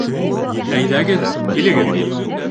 Әйҙәгеҙ, килегеҙ